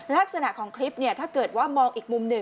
ลักษณะของคลิปถ้าเกิดว่ามองอีกมุมหนึ่ง